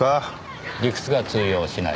理屈が通用しない。